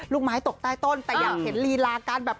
ลูกไม้ตกใต้ต้นแต่อยากเห็นลีลาการแบบ